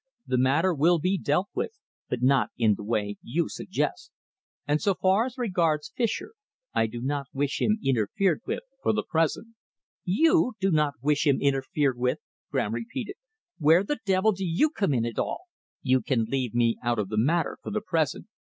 The matter will be dealt with, but not in the way you suggest. And so far as regards Fischer, I do not wish him interfered with for the present." "You do not wish him interfered with?" Graham repeated. "Where the devil do you come in at all?" "You can leave me out of the matter for the present.